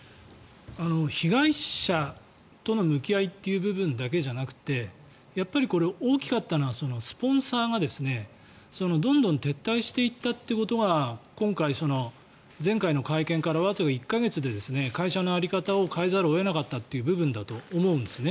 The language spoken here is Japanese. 被害者との向き合いという部分だけじゃなくてこれ、大きかったのはスポンサーがどんどん撤退していったっていうことが今回、前回の会見からわずか１か月で会社の在り方を変えざるを得なかった部分だと思うんです。